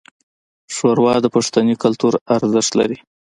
ښوروا د پښتني کلتور ارزښت لري.